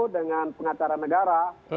dengan pengacara negara